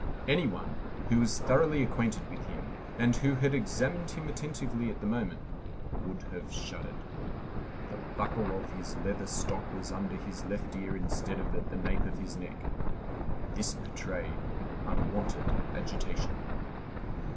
Any one who was thoroughly acquainted with him, and who had examined him attentively at the moment, would have shuddered. The buckle of his leather stock was under his left ear instead of at the nape of his neck. This betrayed unwonted agitation.